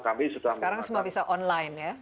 kami sudah sekarang semua bisa online ya